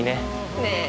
ねえ